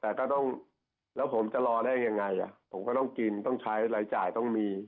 แต่ก็ต้องแล้วผมจะรอได้ยังไงผมก็ต้องกินต้องใช้รายจ่ายต้องมี